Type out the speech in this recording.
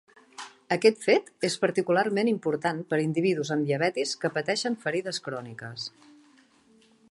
Aquest fet és particularment important per individus amb diabetis que pateixen ferides cròniques.